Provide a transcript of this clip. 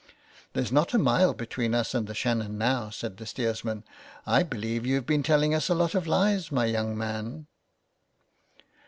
'' There's not a mile between us and the Shannon now," said the steersman. " I believe you've been telling us a lot of lies, my young man."